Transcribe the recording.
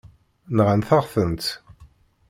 Nɣant-aɣ-tent.